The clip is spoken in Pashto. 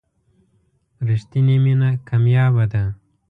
رښتینې مینه کمیابه ده.